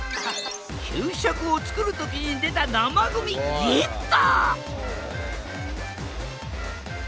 給食を作る時に出た生ゴミゲット！